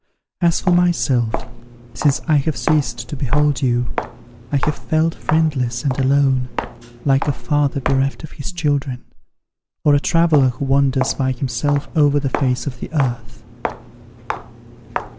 As for myself, since I have ceased to behold you, I have felt friendless and alone, like a father bereft of his children, or a traveller who wanders by himself over the face of the earth.